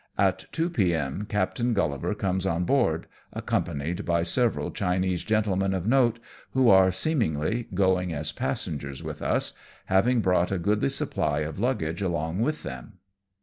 At 2 p.m. Captain GuUivar comes on board, accompanied by several Chinese gentlemen of note, who are, seemingly, going as passengers with us, having brought a goodly supply of luggage along with them.